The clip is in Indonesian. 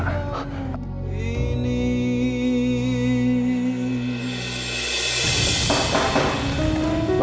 permisi dulu ya pak